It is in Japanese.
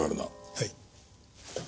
はい。